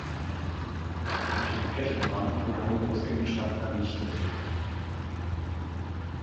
Durch den Flächenbrand wurde Hamburgs Innenstadt vernichtet.